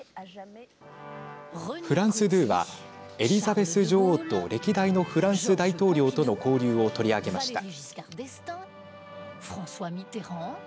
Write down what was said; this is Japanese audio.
フランス２はエリザベス女王と歴代のフランス大統領との交流を取り上げました。